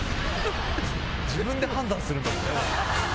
自分で判断するんだもんね。